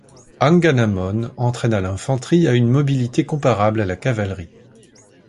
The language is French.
Anganamón entraîna l'infanterie à une mobilité comparable à la cavalerie.